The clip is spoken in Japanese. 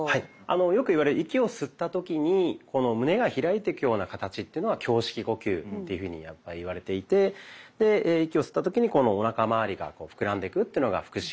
よくいわれる息を吸った時にこの胸が開いていくような形というのが胸式呼吸っていうふうにいわれていてで息を吸った時にこのおなかまわりがこう膨らんでいくというのが腹式呼吸なんです。